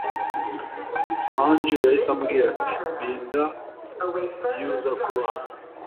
Angel yahise ambwira ati Linda iyo uza kuba hano